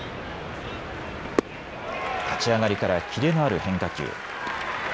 立ち上がりからキレのある変化球。